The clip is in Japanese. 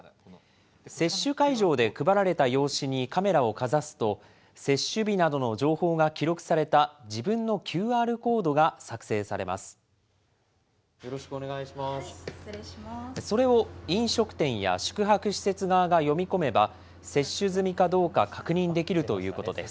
接種会場で配られた用紙にカメラをかざすと、接種日などの情報が記録された、自分のＱＲコードが作成されます。